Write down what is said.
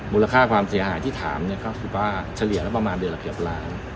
มูลค่าความเสียหายที่ถามก็คือว่าเฉลี่ยแล้วประมาณเดือนละเกือบล้าน